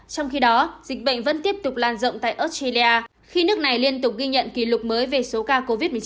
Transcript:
trong khi đó dịch bệnh vẫn tiếp tục lan rộng tại australia khi nước này liên tục ghi nhận kỷ lục mới về số ca covid một mươi chín